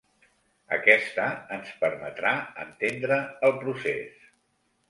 Aquesta ens permetrà entendre el procés.